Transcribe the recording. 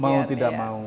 mau tidak mau